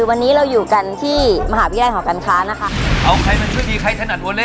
วันนี้เราอยู่กันที่มหาวิทยาลัยหอการค้านะคะเอาใครมาช่วยดีใครถนัดวอเล่